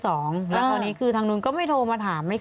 แล้วคราวนี้คือทางนู้นก็ไม่โทรมาถาม